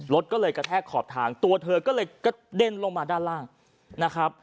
รถก็เลยกระแทกขอบทางตัวเธอก็เลยกระเด็นลงมาด้านล่างนะครับ